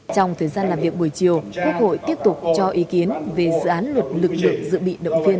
trong thời gian làm việc buổi chiều quốc hội tiếp tục cho ý kiến về dự án luật lực lượng dự bị động viên